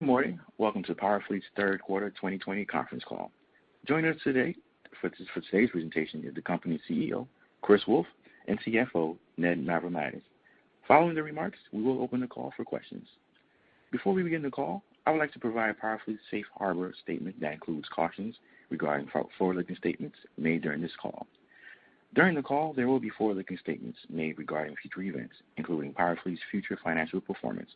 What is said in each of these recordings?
Good morning. Welcome to PowerFleet's Third Quarter 2020 Conference Call. Joining us today for today's presentation is the company's CEO, Chris Wolfe, and CFO, Ned Mavrommatis. Following the remarks, we will open the call for questions. Before we begin the call, I would like to provide PowerFleet's safe harbor statement that includes cautions regarding forward-looking statements made during this call. During the call, there will be forward-looking statements made regarding future events, including PowerFleet's future financial performance.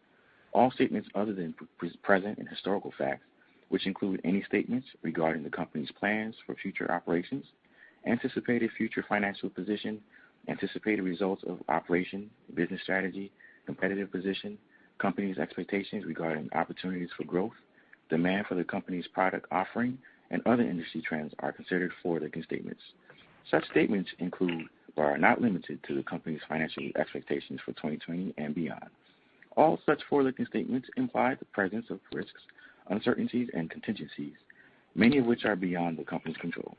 All statements other than present and historical facts, which include any statements regarding the company's plans for future operations, anticipated future financial position, anticipated results of operation, business strategy, competitive position, company's expectations regarding opportunities for growth, demand for the company's product offering, and other industry trends are considered forward-looking statements. Such statements include, but are not limited to, the company's financial expectations for 2020 and beyond. All such forward-looking statements imply the presence of risks, uncertainties, and contingencies, many of which are beyond the company's control.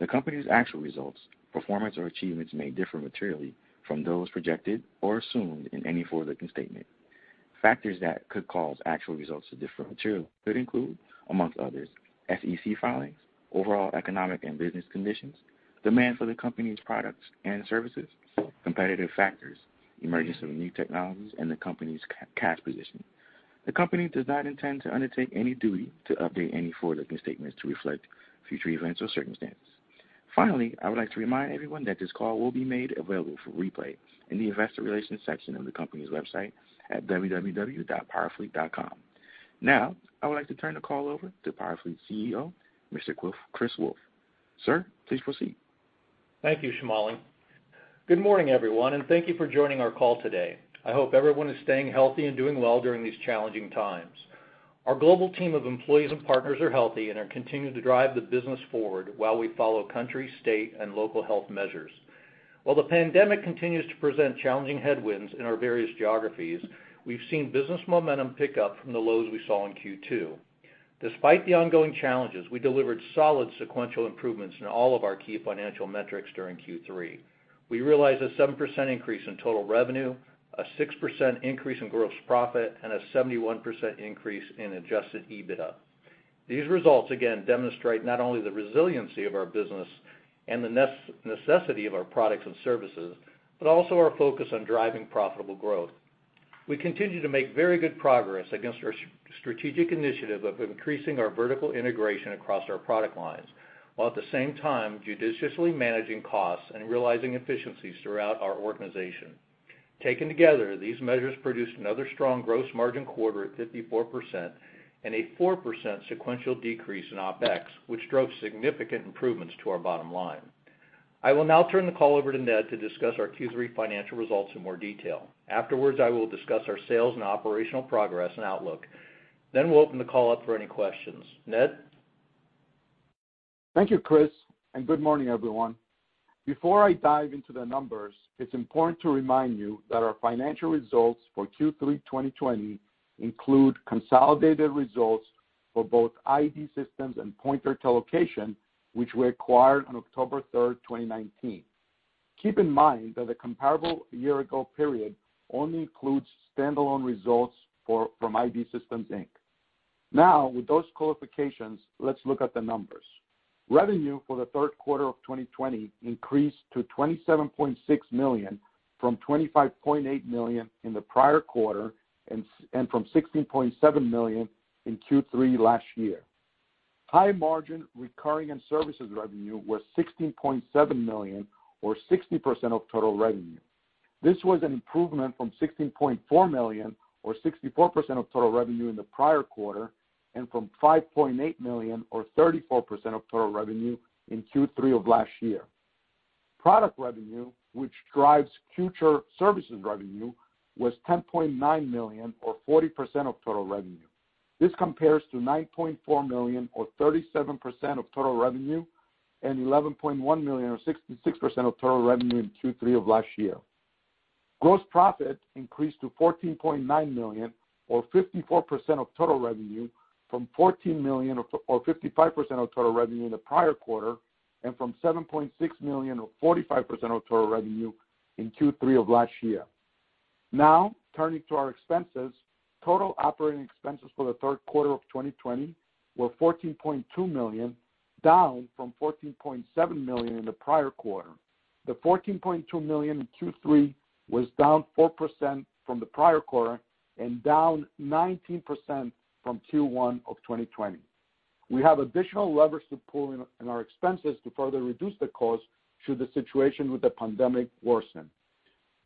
The company's actual results, performance, or achievements may differ materially from those projected or assumed in any forward-looking statement. Factors that could cause actual results to differ materially could include, among others, SEC filings, overall economic and business conditions, demand for the company's products and services, competitive factors, emergence of new technologies, and the company's cash position. The company does not intend to undertake any duty to update any forward-looking statements to reflect future events or circumstances. Finally, I would like to remind everyone that this call will be made available for replay in the investor relations section of the company's website at www.powerfleet.com. Now, I would like to turn the call over to PowerFleet CEO, Mr. Chris Wolfe. Sir, please proceed. Thank you, Shamali. Good morning, everyone, and thank you for joining our call today. I hope everyone is staying healthy and doing well during these challenging times. Our global team of employees and partners are healthy and are continuing to drive the business forward while we follow country, state, and local health measures. While the pandemic continues to present challenging headwinds in our various geographies, we've seen business momentum pick up from the lows we saw in Q2. Despite the ongoing challenges, we delivered solid sequential improvements in all of our key financial metrics during Q3. We realized a 7% increase in total revenue, a 6% increase in gross profit, and a 71% increase in Adjusted EBITDA. These results again demonstrate not only the resiliency of our business and the necessity of our products and services, but also our focus on driving profitable growth. We continue to make very good progress against our strategic initiative of increasing our vertical integration across our product lines, while at the same time judiciously managing costs and realizing efficiencies throughout our organization. Taken together, these measures produced another strong gross margin quarter at 54% and a 4% sequential decrease in OpEx, which drove significant improvements to our bottom line. I will now turn the call over to Ned to discuss our Q3 financial results in more detail. Afterwards, I will discuss our sales and operational progress and outlook. We'll open the call up for any questions. Ned? Thank you, Chris, and good morning, everyone. Before I dive into the numbers, it's important to remind you that our financial results for Q3 2020 include consolidated results for both I.D. Systems and Pointer Telocation, which we acquired on October 3rd, 2019. Keep in mind that the comparable year-ago period only includes standalone results from I.D. Systems, Inc. Now, with those qualifications, let's look at the numbers. Revenue for the third quarter of 2020 increased to $27.6 million from $25.8 million in the prior quarter and from $16.7 million in Q3 last year. High margin recurring and services revenue was $16.7 million or 60% of total revenue. This was an improvement from $16.4 million or 64% of total revenue in the prior quarter, and from $5.8 million or 34% of total revenue in Q3 of last year. Product revenue, which drives future services revenue, was $10.9 million or 40% of total revenue. This compares to $9.4 million or 37% of total revenue and $11.1 million or 66% of total revenue in Q3 of last year. Gross profit increased to $14.9 million or 54% of total revenue from $14 million or 55% of total revenue in the prior quarter, and from $7.6 million or 45% of total revenue in Q3 of last year. Turning to our expenses, total operating expenses for the third quarter of 2020 were $14.2 million, down from $14.7 million in the prior quarter. The $14.2 million in Q3 was down 4% from the prior quarter and down 19% from Q1 of 2020. We have additional levers to pull in our expenses to further reduce the cost should the situation with the pandemic worsen.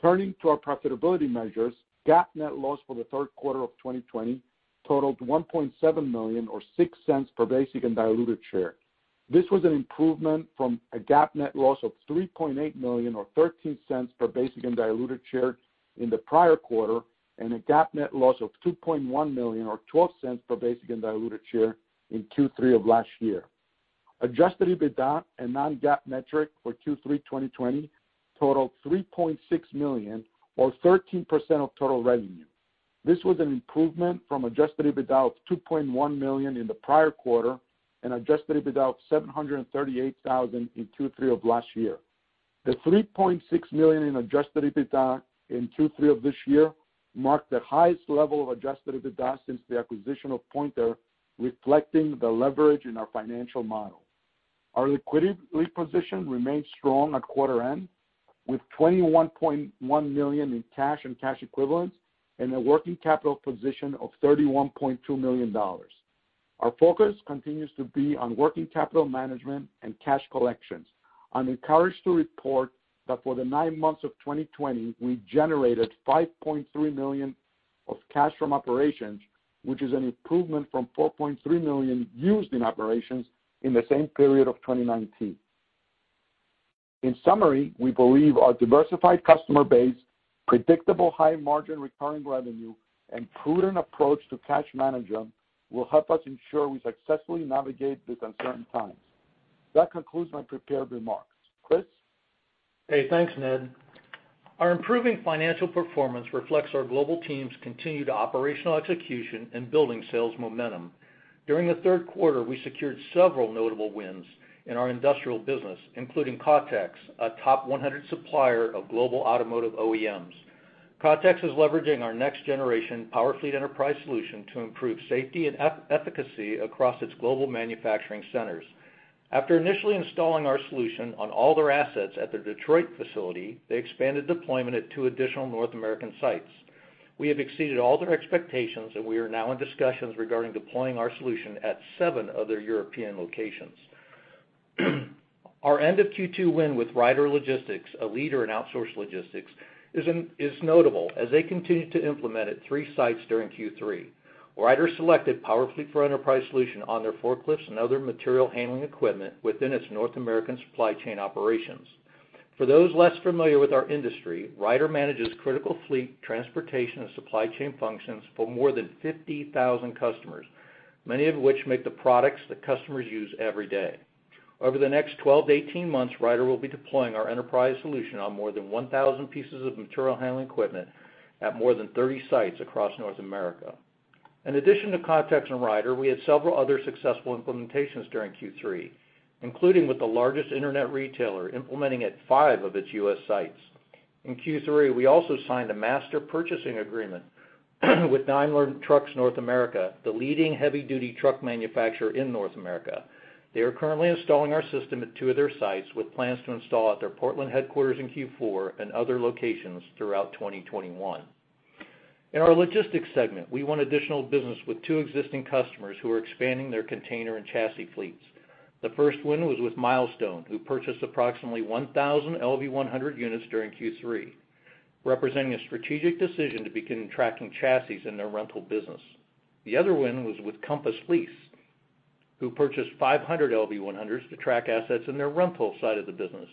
Turning to our profitability measures, GAAP net loss for the third quarter of 2020 totaled $1.7 million or $0.06 per basic and diluted share. This was an improvement from a GAAP net loss of $3.8 million or $0.13 per basic and diluted share in the prior quarter, and a GAAP net loss of $2.1 million or $0.12 per basic and diluted share in Q3 of last year. Adjusted EBITDA, a non-GAAP metric for Q3 2020 totaled $3.6 million or 13% of total revenue. This was an improvement from Adjusted EBITDA of $2.1 million in the prior quarter and Adjusted EBITDA of $738,000 in Q3 of last year. The $3.6 million in Adjusted EBITDA in Q3 of this year marked the highest level of Adjusted EBITDA since the acquisition of Pointer, reflecting the leverage in our financial model. Our liquidity position remains strong at quarter end, with $21.1 million in cash and cash equivalents, and a working capital position of $31.2 million. Our focus continues to be on working capital management and cash collections. I'm encouraged to report that for the nine months of 2020, we generated $5.3 million of cash from operations, which is an improvement from $4.3 million used in operations in the same period of 2019. In summary, we believe our diversified customer base, predictable high margin recurring revenue, and prudent approach to cash management will help us ensure we successfully navigate these uncertain times. That concludes my prepared remarks. Chris? Thanks, Ned. Our improving financial performance reflects our global team's continued operational execution in building sales momentum. During the third quarter, we secured several notable wins in our industrial business, including Contechs, a top 100 supplier of global automotive OEMs. Contechs is leveraging our next generation PowerFleet enterprise solution to improve safety and efficacy across its global manufacturing centers. After initially installing our solution on all their assets at their Detroit facility, they expanded deployment at two additional North American sites. We have exceeded all their expectations, and we are now in discussions regarding deploying our solution at seven other European locations. Our end of Q2 win with Ryder, a leader in outsourced logistics, is notable as they continue to implement at three sites during Q3. Ryder selected PowerFleet enterprise solution on their forklifts and other material handling equipment within its North American supply chain operations. For those less familiar with our industry, Ryder manages critical fleet transportation and supply chain functions for more than 50,000 customers, many of which make the products that customers use every day. Over the next 12 to 18 months, Ryder will be deploying our enterprise solution on more than 1,000 pieces of material handling equipment at more than 30 sites across North America. In addition to Contechs and Ryder, we had several other successful implementations during Q3, including with the largest internet retailer implementing at five of its U.S. sites. In Q3, we also signed a master purchasing agreement with Daimler Truck North America, the leading heavy-duty truck manufacturer in North America. They are currently installing our system at two of their sites, with plans to install at their Portland headquarters in Q4 and other locations throughout 2021. In our logistics segment, we won additional business with two existing customers who are expanding their container and chassis fleets. The first win was with Milestone, who purchased approximately 1,000 LV100 units during Q3, representing a strategic decision to begin tracking chassis in their rental business. The other win was with Compass Lease, who purchased 500 LV100s to track assets in their rental side of the business.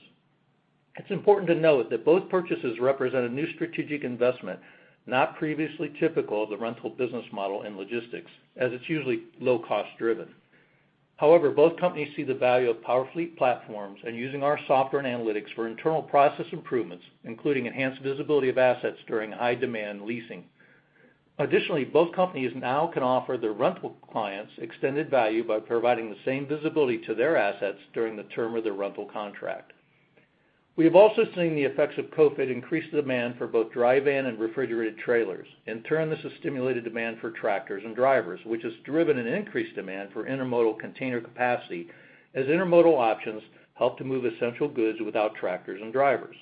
It's important to note that both purchases represent a new strategic investment not previously typical of the rental business model in logistics, as it's usually low cost-driven. However, both companies see the value of PowerFleet platforms and using our software and analytics for internal process improvements, including enhanced visibility of assets during high-demand leasing. Additionally, both companies now can offer their rental clients extended value by providing the same visibility to their assets during the term of their rental contract. We have also seen the effects of COVID increase demand for both dry van and refrigerated trailers. In turn, this has stimulated demand for tractors and drivers, which has driven an increased demand for intermodal container capacity as intermodal options help to move essential goods without tractors and drivers.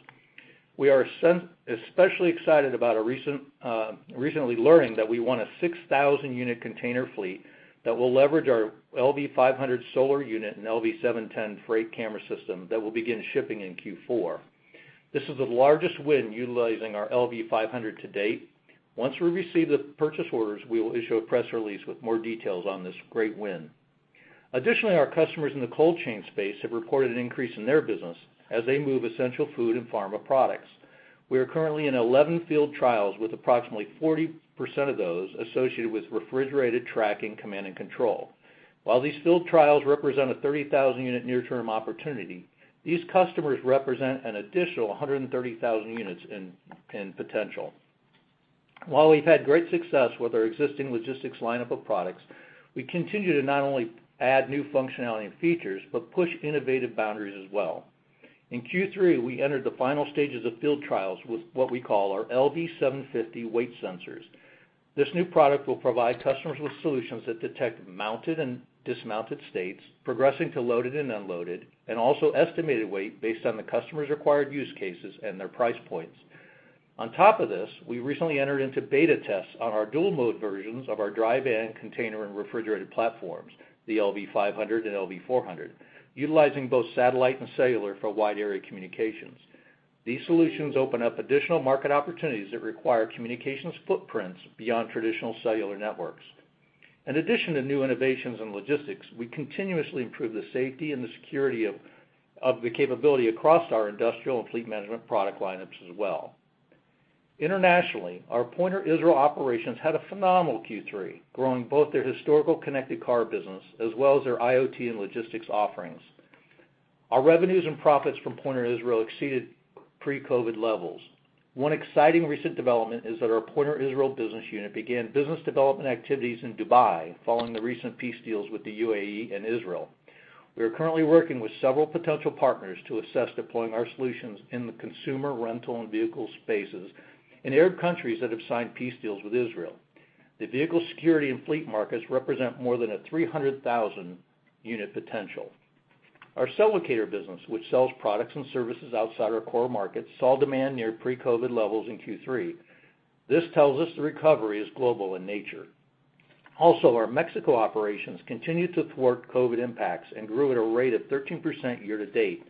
We are especially excited about recently learning that we won a 6,000-unit container fleet that will leverage our LV-500 solar unit and LV-710 freight camera system that will begin shipping in Q4. This is the largest win utilizing our LV-500 to date. Once we receive the purchase orders, we will issue a press release with more details on this great win. Additionally, our customers in the cold chain space have reported an increase in their business as they move essential food and pharma products. We are currently in 11 field trials, with approximately 40% of those associated with refrigerated tracking, command, and control. While these field trials represent a 30,000-unit near-term opportunity, these customers represent an additional 130,000 units in potential. While we've had great success with our existing logistics lineup of products, we continue to not only add new functionality and features but push innovative boundaries as well. In Q3, we entered the final stages of field trials with what we call our LV-750 weight sensors. This new product will provide customers with solutions that detect mounted and dismounted states, progressing to loaded and unloaded, and also estimated weight based on the customer's required use cases and their price points. On top of this, we recently entered into beta tests on our dual-mode versions of our dry van container and refrigerated platforms, the LV-500 and LV-400, utilizing both satellite and cellular for wide area communications. These solutions open up additional market opportunities that require communications footprints beyond traditional cellular networks. In addition to new innovations in logistics, we continuously improve the safety and the security of the capability across our industrial and fleet management product lineups as well. Internationally, our Pointer Israel operations had a phenomenal Q3, growing both their historical connected car business as well as their IoT and logistics offerings. Our revenues and profits from Pointer Israel exceeded Pre-COVID levels. One exciting recent development is that our Pointer Israel business unit began business development activities in Dubai following the recent peace deals with the UAE and Israel. We are currently working with several potential partners to assess deploying our solutions in the consumer rental and vehicle spaces in Arab countries that have signed peace deals with Israel. The vehicle security and fleet markets represent more than a 300,000 unit potential. Our Cellocator business, which sells products and services outside our core markets, saw demand near pre-COVID levels in Q3. This tells us the recovery is global in nature. Our Mexico operations continued to thwart COVID impacts and grew at a rate of 13% year-to-date,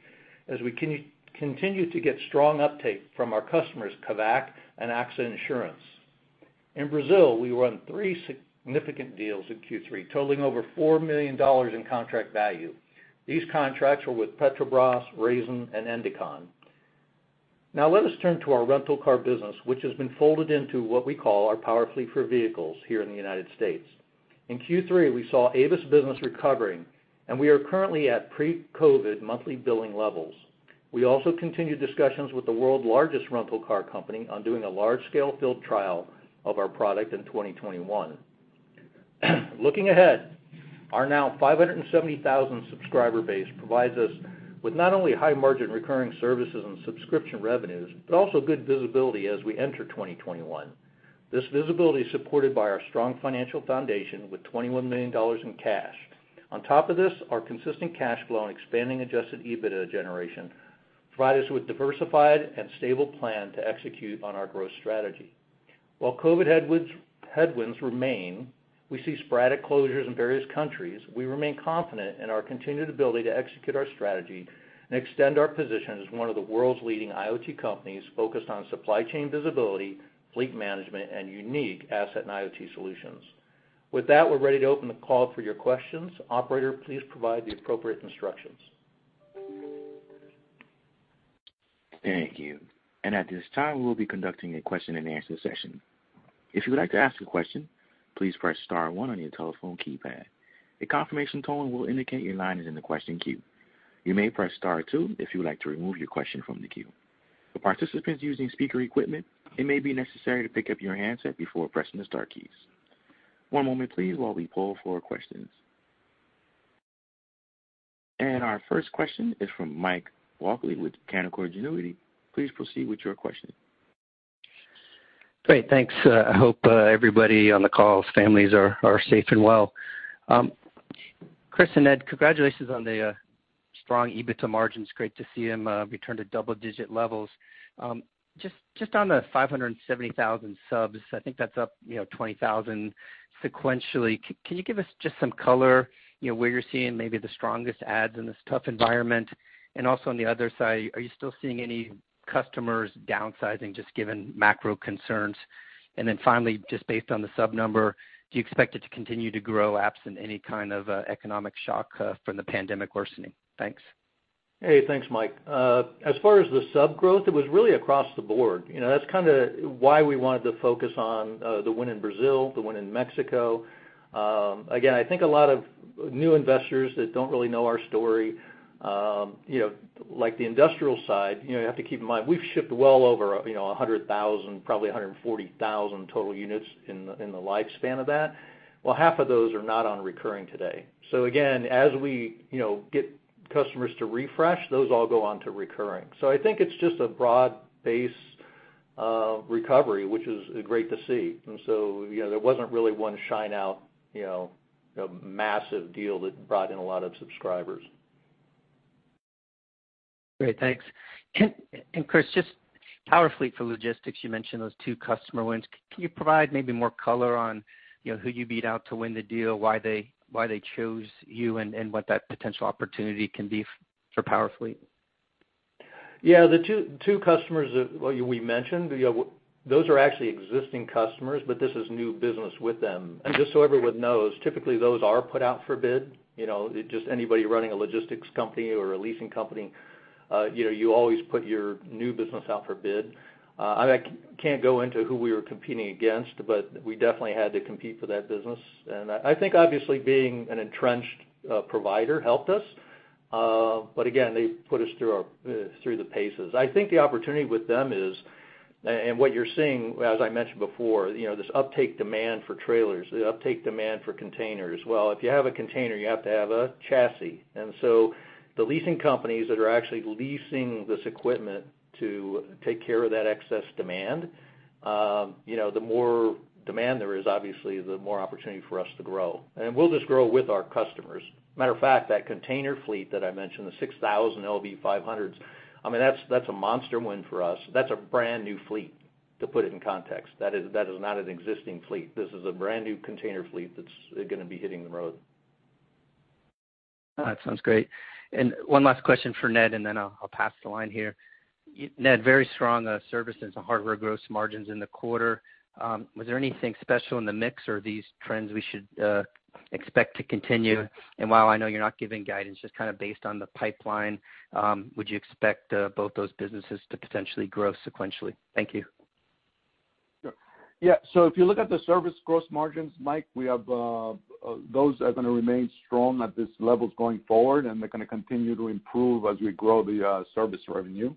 as we continue to get strong uptake from our customers, Kavak and AXA Insurance. In Brazil, we won three significant deals in Q3 totaling over $4 million in contract value. These contracts were with Petrobras, Raízen, and Endicon. Now let us turn to our rental car business, which has been folded into what we call our PowerFleet for Vehicles here in the United States. In Q3, we saw Avis business recovering, and we are currently at pre-COVID monthly billing levels. We also continued discussions with the world's largest rental car company on doing a large-scale field trial of our product in 2021. Looking ahead, our now 570,000 subscriber base provides us with not only high-margin recurring services and subscription revenues, but also good visibility as we enter 2021. This visibility is supported by our strong financial foundation with $21 million in cash. On top of this, our consistent cash flow and expanding Adjusted EBITDA generation provide us with diversified and stable plan to execute on our growth strategy. While COVID headwinds remain, we see sporadic closures in various countries, we remain confident in our continued ability to execute our strategy and extend our position as one of the world's leading IoT companies focused on supply chain visibility, fleet management, and unique asset and IoT solutions. With that, we're ready to open the call for your questions. Operator, please provide the appropriate instructions. Thank you. At this time, we will be conducting a question-and-answer session. If you would like to ask a question, please press star one on your telephone keypad. A confirmation tone will indicate your line is in the question queue. You may press star two if you would like to remove your question from the queue. For participants using speaker equipment, it may be necessary to pick up your handset before pressing the star keys. One moment, please, while we poll for questions. Our first question is from Michael Walkley with Canaccord Genuity. Please proceed with your question. Great. Thanks. I hope everybody on the call's families are safe and well. Chris and Ned, congratulations on the strong EBITDA margins. Great to see them return to double-digit levels. Just on the 570,000 subs, I think that's up 20,000 sequentially. Can you give us just some color, where you're seeing maybe the strongest adds in this tough environment? Also, on the other side, are you still seeing any customers downsizing, just given macro concerns? Finally, just based on the sub number, do you expect it to continue to grow absent any kind of economic shock from the pandemic worsening? Thanks. Hey, thanks, Mike. As far as the sub growth, it was really across the board. That's kind of why we wanted to focus on the win in Brazil, the win in Mexico. Again, I think a lot of new investors that don't really know our story, like the industrial side, you have to keep in mind, we've shipped well over 100,000, probably 140,000 total units in the lifespan of that, well, half of those are not on recurring today. Again, as we get customers to refresh, those all go on to recurring. I think it's just a broad base of recovery, which is great to see. There wasn't really one shine out, massive deal that brought in a lot of subscribers. Great. Thanks. Chris, just PowerFleet for Logistics, you mentioned those two customer wins. Can you provide maybe more color on who you beat out to win the deal, why they chose you, and what that potential opportunity can be for PowerFleet? Yeah, the two customers we mentioned, those are actually existing customers, but this is new business with them. Just so everyone knows, typically those are put out for bid. Just anybody running a logistics company or a leasing company, you always put your new business out for bid. I can't go into who we were competing against, but we definitely had to compete for that business. I think obviously being an entrenched provider helped us. Again, they put us through the paces. I think the opportunity with them is, and what you're seeing, as I mentioned before, this uptake demand for trailers, the uptake demand for containers. Well, if you have a container, you have to have a chassis. The leasing companies that are actually leasing this equipment to take care of that excess demand, the more demand there is, obviously the more opportunity for us to grow. We'll just grow with our customers. Matter of fact, that container fleet that I mentioned, the 6,000 LV-500s, that's a monster win for us. That's a brand new fleet, to put it in context. That is not an existing fleet. This is a brand new container fleet that's going to be hitting the road. That sounds great. One last question for Ned, then I'll pass the line here. Ned, very strong services and hardware gross margins in the quarter. Was there anything special in the mix, or are these trends we should expect to continue? While I know you're not giving guidance, just kind of based on the pipeline, would you expect both those businesses to potentially grow sequentially? Thank you. If you look at the service gross margins, Mike, those are going to remain strong at these levels going forward, and they're going to continue to improve as we grow the service revenue.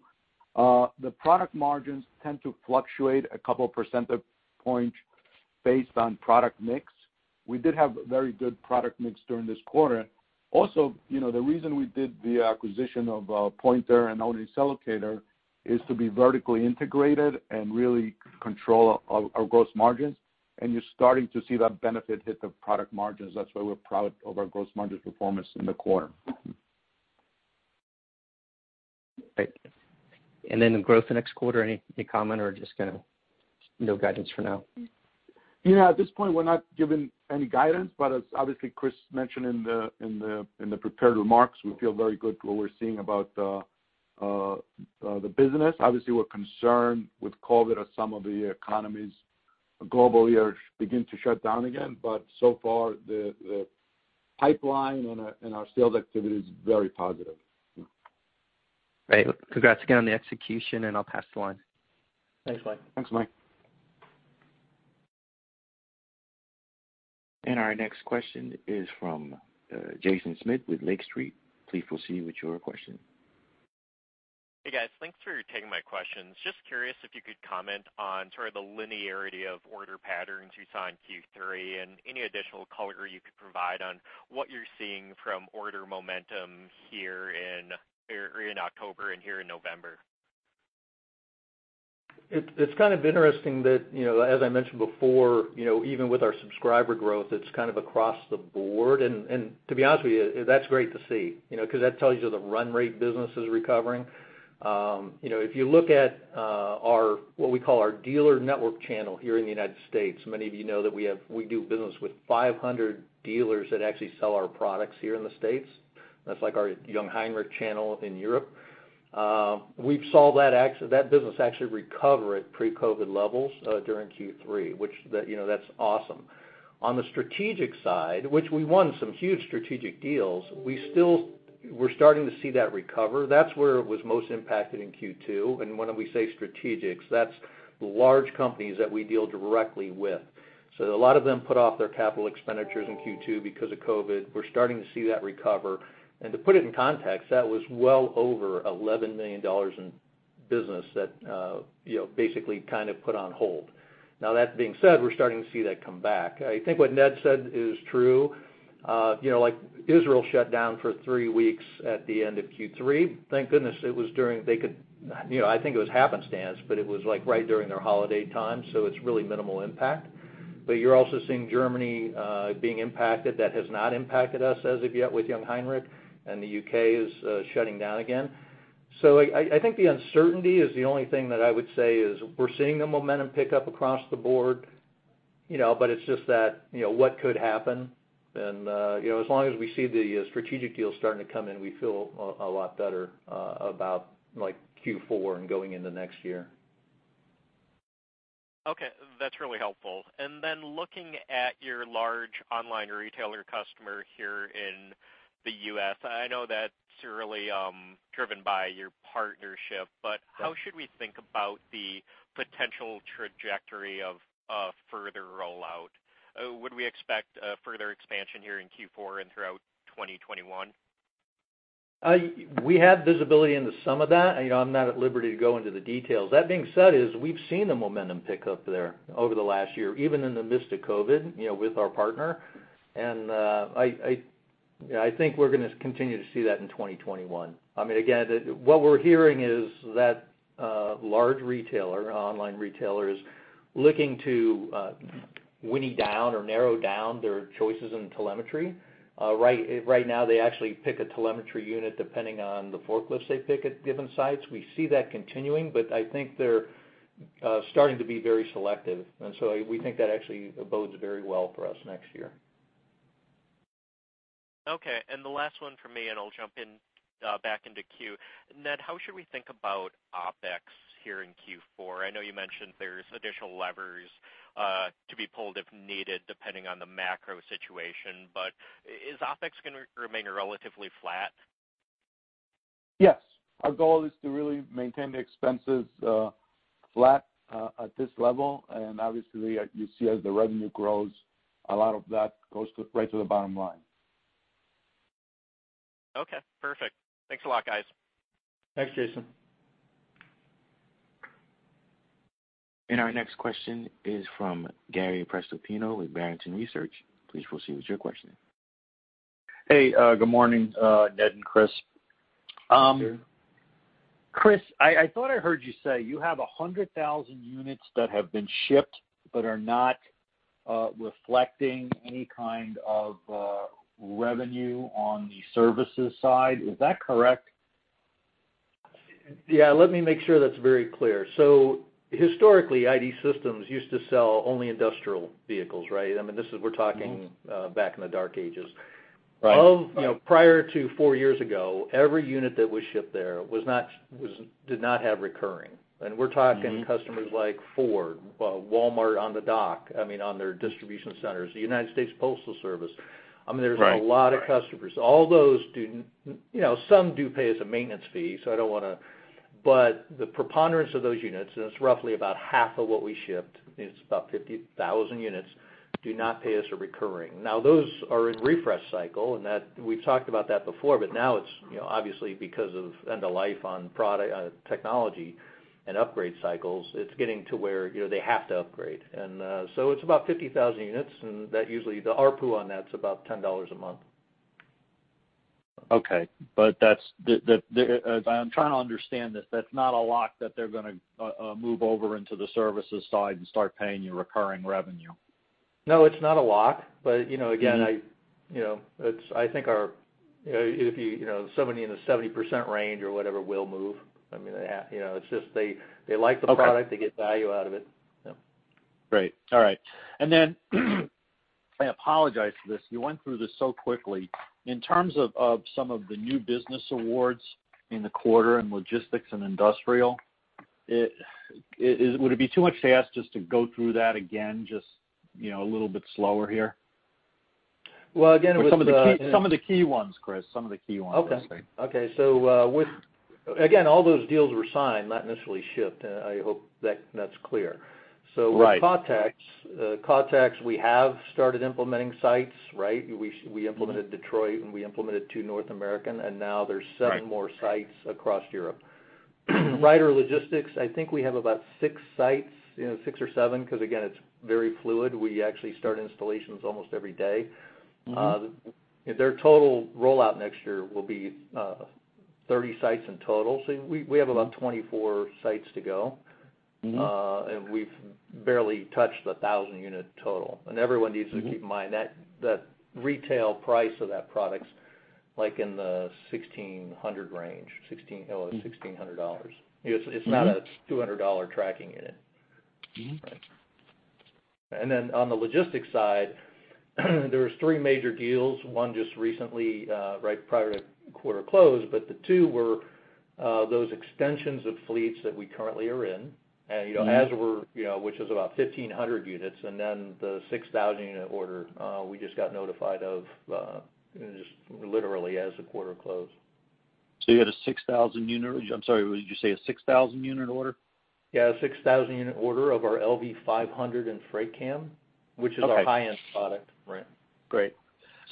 The product margins tend to fluctuate a couple percentage points based on product mix. We did have very good product mix during this quarter. The reason we did the acquisition of Pointer and Cellocator is to be vertically integrated and really control our gross margins. You're starting to see that benefit hit the product margins. That's why we're proud of our gross margins performance in the quarter. Great. The growth the next quarter, any comment, or just kind of no guidance for now? Yeah. At this point, we're not giving any guidance, but as obviously Chris mentioned in the prepared remarks, we feel very good what we're seeing about the business. Obviously, we're concerned with COVID as some of the economies globally are beginning to shut down again, but so far, the pipeline and our sales activity is very positive. Great. Congrats again on the execution. I'll pass the line. Thanks, Mike. Thanks, Mike. Our next question is from Jaeson Schmidt with Lake Street. Please proceed with your question. Hey, guys. Thanks for taking my questions. Just curious if you could comment on sort of the linearity of order patterns you saw in Q3 and any additional color you could provide on what you're seeing from order momentum here in October and here in November? It's kind of interesting that, as I mentioned before, even with our subscriber growth, it's kind of across the board. To be honest with you, that's great to see. Because that tells you the run rate business is recovering. If you look at what we call our dealer network channel here in the U.S., many of you know that we do business with 500 dealers that actually sell our products here in the U.S. That's like our Jungheinrich channel in Europe. We saw that business actually recover at pre-COVID levels during Q3, which that's awesome. On the strategic side, which we won some huge strategic deals, we're starting to see that recover. That's where it was most impacted in Q2. When we say strategics, that's the large companies that we deal directly with. A lot of them put off their capital expenditures in Q2 because of COVID. We're starting to see that recover. To put it in context, that was well over $11 million in business that basically kind of put on hold. That being said, we're starting to see that come back. I think what Ned said is true. Israel shut down for three weeks at the end of Q3. Thank goodness it was during, I think it was happenstance, but it was right during their holiday time, so it's really minimal impact. You're also seeing Germany being impacted. That has not impacted us as of yet with Jungheinrich. The U.K. is shutting down again. I think the uncertainty is the only thing that I would say is we're seeing the momentum pick up across the board, but it's just that what could happen. As long as we see the strategic deals starting to come in, we feel a lot better about Q4 and going into next year. Okay. That's really helpful. Looking at your large online retailer customer here in the U.S., I know that's really driven by your partnership, but how should we think about the potential trajectory of a further rollout? Would we expect further expansion here in Q4 and throughout 2021? We have visibility into some of that. I'm not at liberty to go into the details. That being said is we've seen the momentum pick up there over the last year, even in the midst of COVID, with our partner. I think we're going to continue to see that in 2021. Again, what we're hearing is that large retailer, online retailer, is looking to winnow down or narrow down their choices in telemetry. Right now they actually pick a telemetry unit depending on the forklifts they pick at different sites. We see that continuing, but I think they're starting to be very selective, and so we think that actually bodes very well for us next year. Okay. The last one from me, and I'll jump back into queue. Ned, how should we think about OpEx here in Q4? I know you mentioned there's additional levers to be pulled if needed, depending on the macro situation, but is OpEx going to remain relatively flat? Yes. Our goal is to really maintain the expenses flat at this level, and obviously, you see as the revenue grows, a lot of that goes right to the bottom line. Okay, perfect. Thanks a lot, guys. Thanks, Jaeson. Our next question is from Gary Prestopino with Barrington Research. Please proceed with your question. Hey, good morning, Ned and Chris. Sure. Chris, I thought I heard you say you have 100,000 units that have been shipped but are not reflecting any kind of revenue on the services side. Is that correct? Yeah, let me make sure that's very clear. Historically, I.D. Systems used to sell only industrial vehicles, right? We're talking back in the dark ages. Right. Prior to four years ago, every unit that was shipped there did not have recurring. We're talking customers like Ford, Walmart on the dock, on their distribution centers, the United States Postal Service. Right. There's a lot of customers. Some do pay us a maintenance fee. The preponderance of those units, and it's roughly about half of what we shipped, it's about 50,000 units, do not pay us a recurring. Those are in refresh cycle, and we've talked about that before, but now it's obviously because of end of life on technology and upgrade cycles, it's getting to where they have to upgrade. It's about 50,000 units, and usually the ARPU on that's about $10 a month. Okay. I'm trying to understand this. That's not a lock that they're going to move over into the services side and start paying you recurring revenue. No, it's not a lock. Again, I think if somebody in the 70% range or whatever will move, it's just they like the product. Okay. They get value out of it. Yeah. Great. All right. I apologize for this. You went through this so quickly. In terms of some of the new business awards in the quarter in logistics and industrial, would it be too much to ask just to go through that again just a little bit slower here? Well, again, it was- Some of the key ones, Chris. Some of the key ones. Okay. Again, all those deals were signed, not necessarily shipped. I hope that's clear. Right. With Contechs, we have started implementing sites, right? We implemented Detroit, and we implemented two North American, and now there's seven more sites across Europe. Ryder Logistics, I think we have about six sites, six or seven, because again, it's very fluid. We actually start installations almost every day. Their total rollout next year will be 30 sites in total. We have about 24 sites to go. We've barely touched 1,000 unit total. Everyone needs to keep in mind, that retail price of that product's like in the $1,600 range, $1,600. It's not a $200 tracking unit. Right. On the logistics side, there were three major deals, one just recently right prior to quarter close, but the two were those extensions of fleets that we currently are in. Which is about 1,500 units, and then the 6,000 unit order we just got notified of just literally as the quarter closed. You had a 6,000 unit, I'm sorry, did you say a 6,000 unit order? Yeah, a 6,000 unit order of our LV-500 and FreightCam. Okay. Which is our highest product. Right. Great.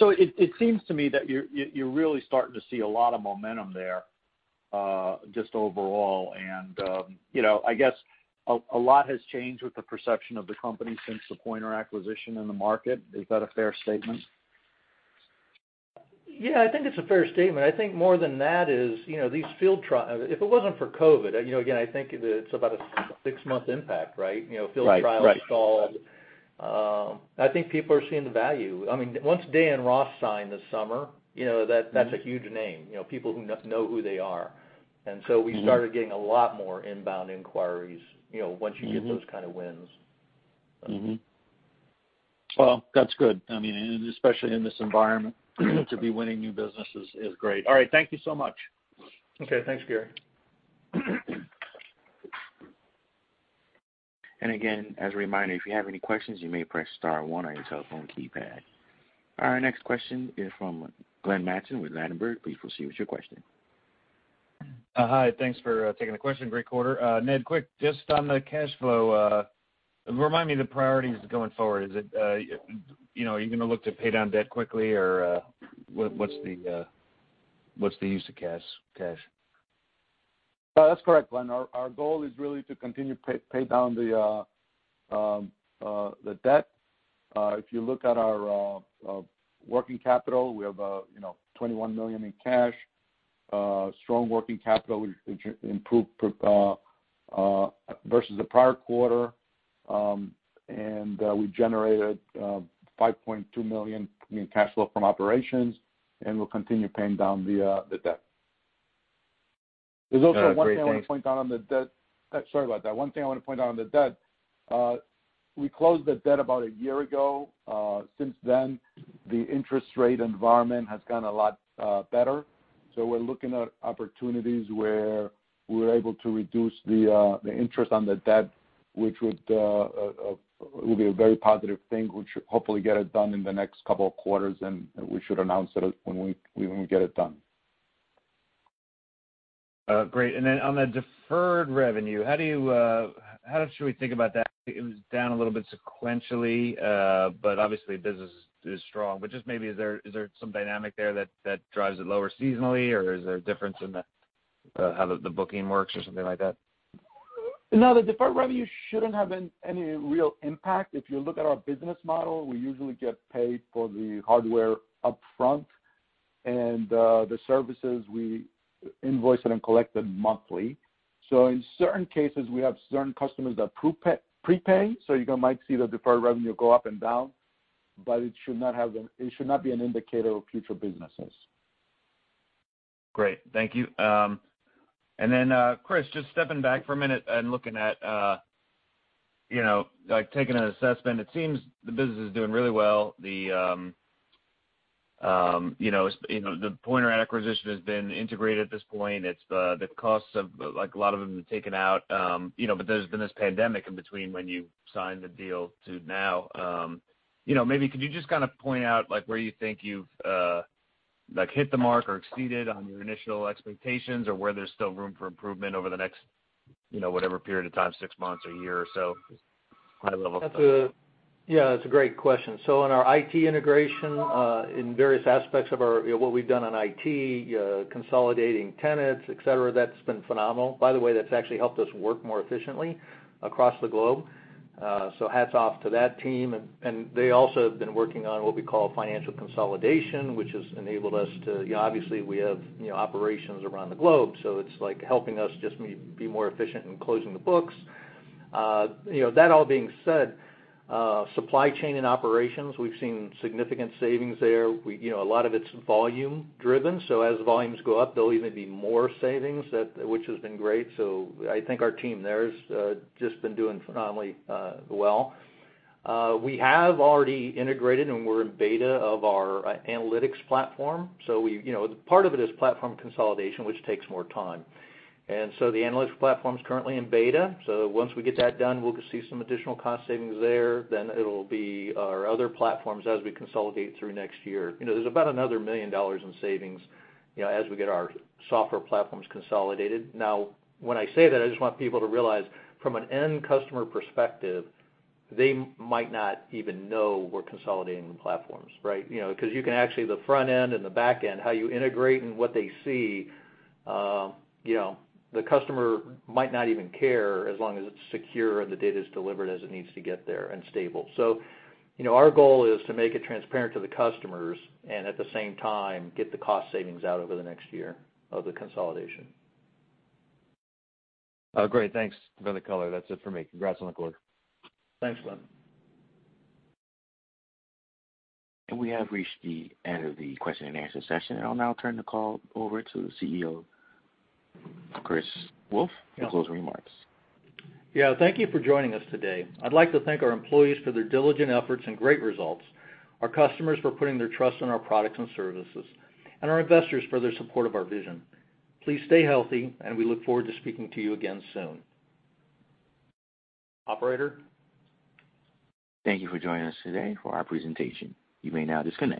It seems to me that you're really starting to see a lot of momentum there just overall, and I guess a lot has changed with the perception of the company since the Pointer acquisition in the market. Is that a fair statement? Yeah, I think it's a fair statement. I think more than that is, if it wasn't for COVID, again, I think it's about a six-month impact, right? Right. Field trials stalled. I think people are seeing the value. Once Day & Ross signed this summer, that's a huge name. People know who they are. We started getting a lot more inbound inquiries once you get those kind of wins. Well, that's good. Especially in this environment to be winning new business is great. All right. Thank you so much. Okay. Thanks, Gary. Again, as a reminder, if you have any questions, you may press star one on your telephone keypad. Our next question is from Glenn Mattson with Ladenburg. Please proceed with your question. Hi. Thanks for taking the question. Great quarter. Ned, quick, just on the cash flow, remind me the priorities going forward. Are you going to look to pay down debt quickly, or what's the use of cash? That's correct, Glenn. Our goal is really to continue to pay down the debt. If you look at our working capital, we have $21 million in cash, strong working capital, which improved versus the prior quarter. We generated $5.2 million in cash flow from operations, and we'll continue paying down the debt. There's also one thing I want to point out on the debt. Sorry about that. One thing I want to point out on the debt. We closed the debt about a year ago. Since then, the interest rate environment has gotten a lot better. We're looking at opportunities where we're able to reduce the interest on the debt, which would be a very positive thing. We should hopefully get it done in the next couple of quarters, and we should announce it when we get it done. Great. On the deferred revenue, how should we think about that? It was down a little bit sequentially, but obviously business is strong. Just maybe, is there some dynamic there that drives it lower seasonally, or is there a difference in how the booking works or something like that? No, the deferred revenue shouldn't have any real impact. If you look at our business model, we usually get paid for the hardware upfront, and the services, we invoice it and collect it monthly. In certain cases, we have certain customers that prepay, so you might see the deferred revenue go up and down, but it should not be an indicator of future businesses. Great. Thank you. Chris, just stepping back for a minute and looking at taking an assessment, it seems the business is doing really well. The Pointer acquisition has been integrated at this point. The costs of a lot of them have been taken out, there's been this pandemic in between when you signed the deal to now. Maybe could you just kind of point out where you've like hit the mark or exceeded on your initial expectations, or where there's still room for improvement over the next whatever period of time, six months or a year or so? High level. Yeah, that's a great question. In our IT integration, in various aspects of what we've done on IT, consolidating tenants, et cetera, that's been phenomenal. By the way, that's actually helped us work more efficiently across the globe. Hats off to that team. They also have been working on what we call financial consolidation, which has enabled us to Obviously we have operations around the globe, so it's like helping us just be more efficient in closing the books. That all being said, supply chain and operations, we've seen significant savings there. A lot of it's volume driven, so as volumes go up, there'll even be more savings, which has been great. I think our team there has just been doing phenomenally well. We have already integrated and we're in beta of our analytics platform. Part of it is platform consolidation, which takes more time. The analytics platform's currently in beta. Once we get that done, we'll see some additional cost savings there. It'll be our other platforms as we consolidate through next year. There's about another $1 million in savings as we get our software platforms consolidated. When I say that, I just want people to realize from an end customer perspective, they might not even know we're consolidating the platforms, right? Because you can actually, the front end and the back end, how you integrate and what they see, the customer might not even care as long as it's secure and the data's delivered as it needs to get there, and stable. Our goal is to make it transparent to the customers and at the same time, get the cost savings out over the next year of the consolidation. Oh, great. Thanks for the color. That's it for me. Congrats on the quarter. Thanks, Glenn. We have reached the end of the question and answer session. I'll now turn the call over to the CEO, Chris Wolfe, for closing remarks. Thank you for joining us today. I'd like to thank our employees for their diligent efforts and great results, our customers for putting their trust in our products and services, and our investors for their support of our vision. Please stay healthy, and we look forward to speaking to you again soon. Operator? Thank you for joining us today for our presentation. You may now disconnect.